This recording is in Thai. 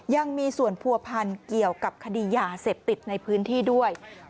ยังมีส่วนผัวพันธ์เกี่ยวกับคดียาเสพติดในพื้นที่ด้วย